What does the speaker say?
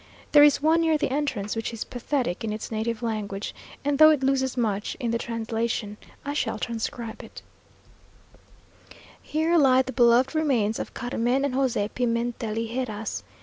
There is one near the entrance, which is pathetic in its native language, and though it loses much in the translation, I shall transcribe it: "Here lie the beloved remains of Carmen and José Pimentel y Heras.